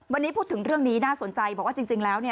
วันนี้พูดถึงเรื่องนี้น่าสนใจบอกว่าจริงแล้วเนี่ย